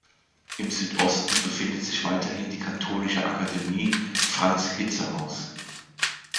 Im Südosten befindet sich weiterhin die Katholische Akademie Franz-Hitze-Haus.